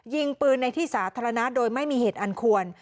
ยิงปืนในที่สาธารณะโดยไม่มีเหตุอันควร